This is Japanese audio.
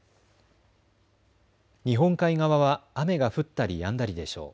日本海側は雨が降ったりやんだりでしょう。